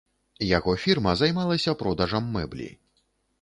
Яго фірма займалася продажам мэблі.